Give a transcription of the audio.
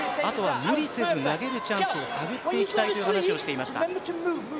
無理せずに投げるチャンスを探っていきたいと言っていました。